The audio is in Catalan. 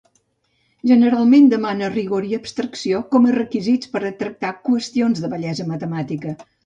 Generalment demana rigor i abstracció, com a requisits per a tractar qüestions de bellesa matemàtica.